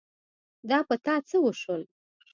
دا په تا څه وشول ؟